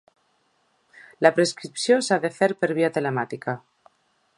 La preinscripció s'ha de fer per via telemàtica.